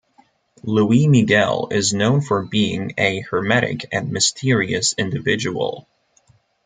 Luis Miguel is known for being a hermetic and mysterious individual.